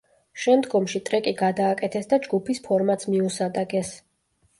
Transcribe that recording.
შემდგომში ტრეკი გადააკეთეს და ჯგუფის ფორმატს მიუსადაგეს.